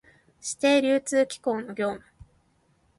指定流通機構の業務